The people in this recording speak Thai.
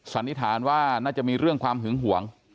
สันนิษฐานว่าน่าจะมีเรื่องความหึงหวง